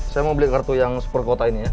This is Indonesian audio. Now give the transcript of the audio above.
saya mau beli kartu yang super kota ini ya